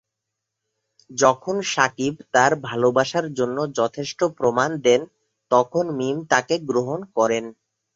যখন শাকিব তার ভালবাসার জন্য যথেষ্ট প্রমাণ দেন, তখন মীম তাকে গ্রহণ করেন।